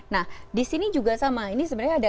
nah disini juga sama ini sebenarnya ada